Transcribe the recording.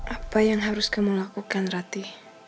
apa yang harus kamu lakukan ratih